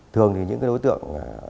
thường thì những đối tượng